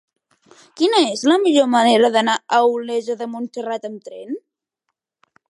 Quina és la millor manera d'anar a Olesa de Montserrat amb tren?